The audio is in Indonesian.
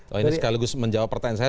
oh ini sekaligus menjawab pertanyaan saya